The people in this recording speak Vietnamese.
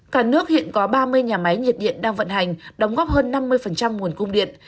cả nước hiện có ba mươi nhà máy nhiệt điện đang vận hành đóng góp hơn năm mươi nguồn cung điện